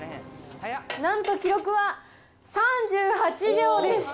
なんと記録は３８秒です。